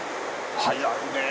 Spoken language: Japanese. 早いねぇ。